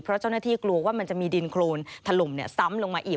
เพราะเจ้าหน้าที่กลัวว่ามันจะมีดินโครนถล่มซ้ำลงมาอีก